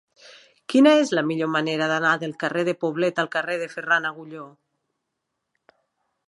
Quina és la millor manera d'anar del carrer de Poblet al carrer de Ferran Agulló?